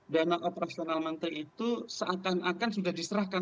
dana operasional menteri itu seakan akan sudah diserahkan